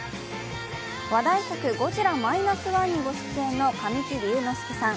話題作「ゴジラ−１．０」にご出演の神木隆之介さん